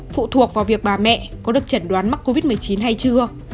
phụ thuộc vào việc bà mẹ có được chẩn đoán mắc covid một mươi chín hay chưa